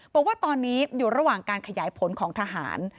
บอกว่าตอนนี้อยู่ระหว่างการขยายผลของทหาร